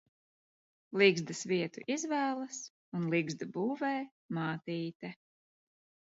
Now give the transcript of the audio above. Ligzdas vietu izvēlas un ligzdu būvē mātīte.